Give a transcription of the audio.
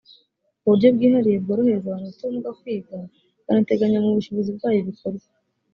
uburyo bwihariye bworohereza abantu bafite ubumuga kwiga ikanateganya mu bushobozi bwayo ibikorwa